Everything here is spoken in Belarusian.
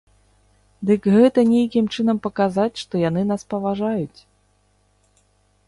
Дык гэта нейкім чынам паказаць, што яны нас паважаюць.